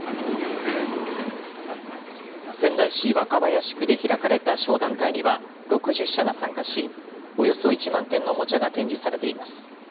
仙台市若林区で開かれた商談会には６０社が参加しおよそ１万点のおもちゃが展示されています。